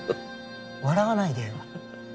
笑わないでよ